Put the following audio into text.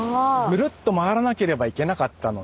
グルッと回らなければいけなかったのに。